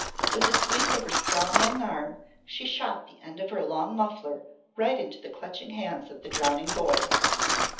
With a sweep of her strong young arm she shot the end of the long muffler right into the clutching hands of the drowning boy.